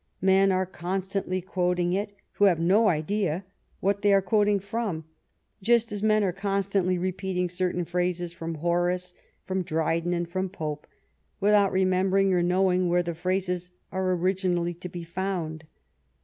Men are constantly quoting it who have no idea what they are quoting from, just as men are constantly repeating certain phrases from Horace, from Dryden, and from Pope, without re membering or knowing where the phrases are origi nally to be found.